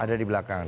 ada di belakang